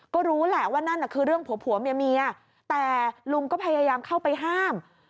ก็รู้แหละว่านั่นน่ะคือเรื่องผัวเมียแต่ลุงก็พยายามเข้าไปห้าม